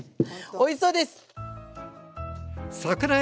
おいしそうです！